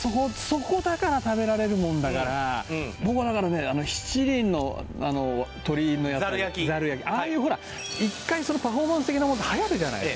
そこだから食べられるもんだから僕はだからね七輪の鶏のやつああいうほら一回パフォーマンス的なものってはやるじゃない？